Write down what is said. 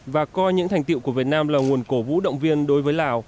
và coi những thành tiệu của việt nam là nguồn cổ vũ động viên đối với lào